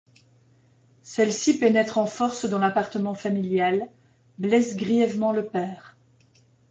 Celle-ci pénètre en force dans l'appartement familial, blesse grièvement le père.